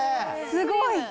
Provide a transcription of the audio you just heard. すごい。